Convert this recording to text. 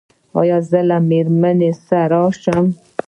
ایا زه له میرمنې سره راشم؟